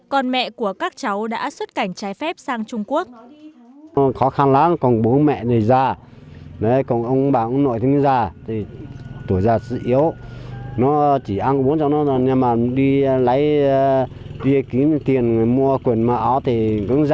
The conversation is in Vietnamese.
còn mẹ của các cháu đã xuất cảnh trái phép sang trung quốc